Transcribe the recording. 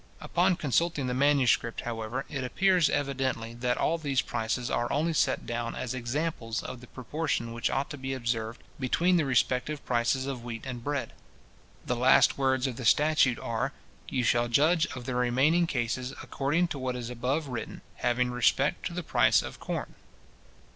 Upon consulting the manuscript, however, it appears evidently, that all these prices are only set down as examples of the proportion which ought to be observed between the respective prices of wheat and bread. The last words of the statute are "reliqua judicabis secundum praescripta, habendo respectum ad pretium bladi."—"You shall judge of the remaining cases, according to what is above written, having respect to the price of corn."